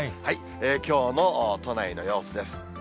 きょうの都内の様子です。